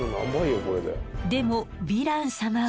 でもヴィラン様は？